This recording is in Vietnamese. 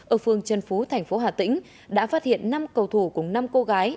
ở phương trần phú thành phố hà tĩnh đã phát hiện năm cầu thủ cùng năm cô gái